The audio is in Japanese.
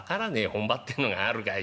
本場ってのがあるかい。